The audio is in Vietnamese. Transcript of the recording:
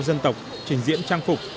dân tộc trình diễn trang phục